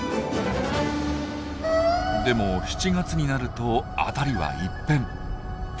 でも７月になると辺りは一変。